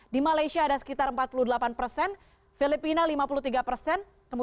di malaysia ada sekitar empat puluh delapan persen filipina lima puluh tiga persen